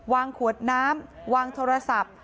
วางขวดน้ำวางโทรศัพท์